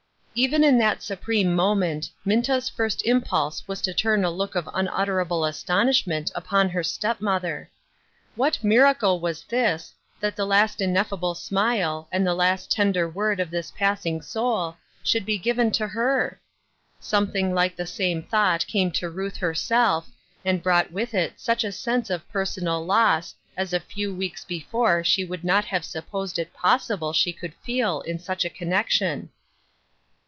Even in that supreme moment, Minta's first im pulse was to turn a look of unutterable astonish "o, mamma! good by!" 279 ment upon her step mother. What miracle was this, that the last ineffable smile, and the last tender word of this passing soul, should be given to her ? Something like the same thought came to Ruth herself, and brought with it such a sense of personal loss as a few weeks before she would not have supposed it possible she could feel in such a connection.